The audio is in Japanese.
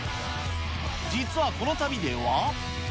実はこの旅では。